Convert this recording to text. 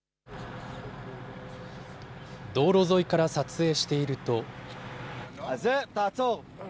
道路沿いから撮影していると。